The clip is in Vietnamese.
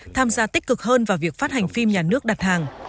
tham gia tích cực hơn vào việc phát hành phim nhà nước đặt hàng